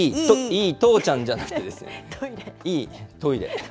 いい父ちゃんじゃなくて、いいトイレ。